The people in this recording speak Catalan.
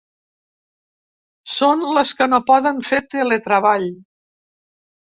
Són les que no poden fer teletreball.